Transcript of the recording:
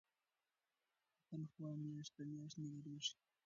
تنخوا میاشت په میاشت نه دریږي.